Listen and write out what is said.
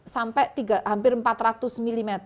sampai hampir empat ratus mm